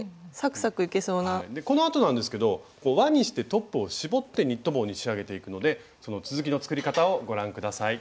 このあとなんですけど輪にしてトップを絞ってニット帽に仕上げていくのでその続きの作り方をご覧下さい。